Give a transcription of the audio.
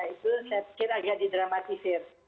itu saya pikir agak didramatisir